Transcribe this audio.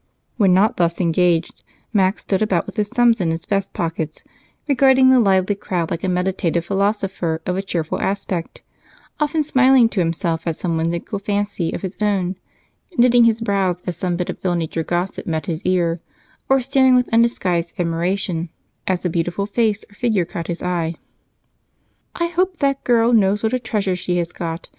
When not thus engaged Mac stood about with his thumbs in his vest pockets, regarding the lively crowd like a meditative philosopher of a cheerful aspect, often smiling to himself at some whimsical fancy of his own, knitting his brows as some bit of ill natured gossip met his ear, or staring with undisguised admiration as a beautiful face or figure caught his eye. "I hope that girl knows what a treasure she has got.